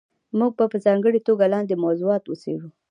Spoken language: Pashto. موږ به په ځانګړې توګه لاندې موضوعات وڅېړو.